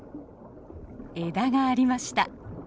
枝がありました。